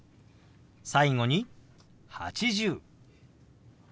最後に「８０」。